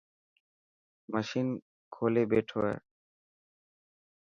مشِن کولي ٻيٺو هي.